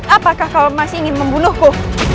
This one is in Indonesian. apakah kau masih ingin membunuhku